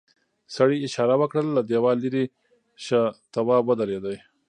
سړي اشاره وکړه له دیوال ليرې شه تواب ودرېد.